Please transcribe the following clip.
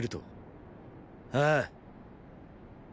ああ。